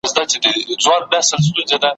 هره ورځ حلالیدل غوايی پسونه `